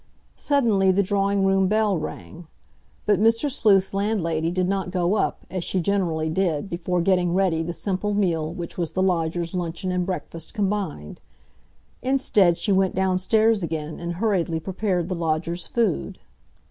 Suddenly, the drawing room bell rang. But Mr. Sleuth's landlady did not go up, as she generally did, before getting ready the simple meal which was the lodger's luncheon and breakfast combined. Instead, she went downstairs again and hurriedly prepared the lodger's food.